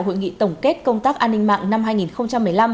hội nghị tổng kết công tác an ninh mạng năm hai nghìn một mươi năm